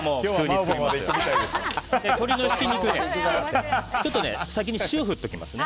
鶏のひき肉先に塩を振っておきます。